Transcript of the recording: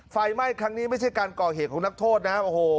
ไฟไหม้ครั้งนี้ไม่ใช่การก่อเหตุของนักโทษนะโอ้โห